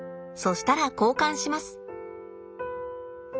したら交換します。